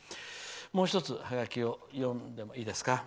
もう１つハガキを読んでもいいですか。